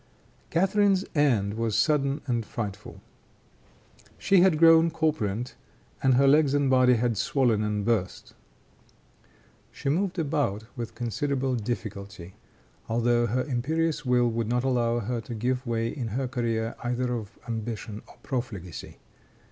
Catharine's end was sudden and frightful. She had grown corpulent, and her legs and body had swollen and burst. She moved about with considerable difficulty, although her imperious will would not allow her to give way in her career either of ambition or profligacy.